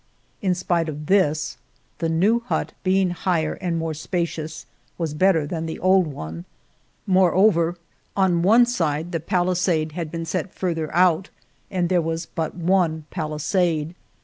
In spite of this, the new hut, being higher and more spacious, was better than the old one ; more over, on one side the palisade had been set farther out, and there was but one palisade.